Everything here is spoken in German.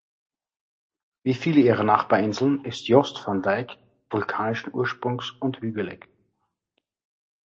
Wie viele ihrer Nachbarinseln ist Jost Van Dyke vulkanischen Ursprungs und hügelig.